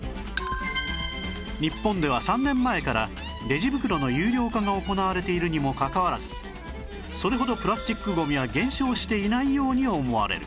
日本では３年前からレジ袋の有料化が行われているにもかかわらずそれほどプラスチックゴミは減少していないように思われる